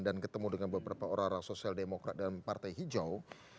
dan ketemu dengan beberapa orang orang sosial demokrat dan partai hijau